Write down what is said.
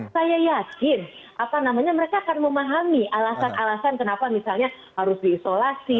saya yakin mereka akan memahami alasan alasan kenapa misalnya harus diisolasi